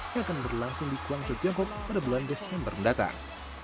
yang akan berlangsung di kuangco tiongkok pada bulan desember mendatang